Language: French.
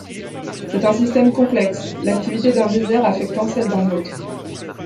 C'est un système complexe, l'activité d'un geyser affectant celle d'un autre.